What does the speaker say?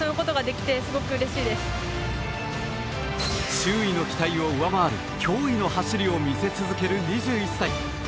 周囲の期待を上回る驚異の走りを見せ続ける２１歳。